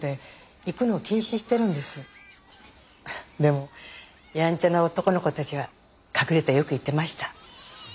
でもやんちゃな男の子たちは隠れてよく行ってました。